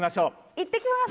行ってきます！